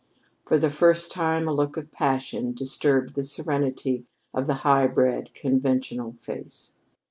For the first time a look of passion disturbed the serenity of the high bred, conventional face.